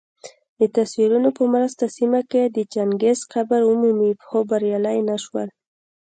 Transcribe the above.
دتصویرونو په مرسته سیمه کي د چنګیز قبر ومومي خو بریالي نه سول